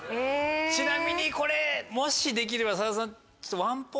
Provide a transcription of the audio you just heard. ちなみにこれもしできれば佐田さん。